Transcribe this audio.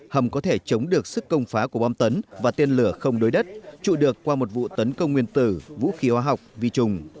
hầm có thể chống được sức công phá của bom tấn và tên lửa không đối đất trụ được qua một vụ tấn công nguyên tử vũ khí hóa học vi trùng